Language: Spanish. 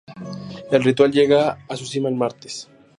El ritual llega a su cima el martes.